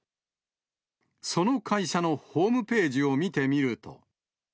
その会社のホームページを見てみると。